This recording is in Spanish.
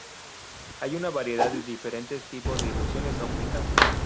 Hay una variedad de diferentes tipos de ilusiones ópticas.